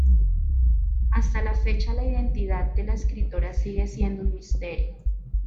Hasta la fecha la identidad de la escritora sigue siendo un misterio.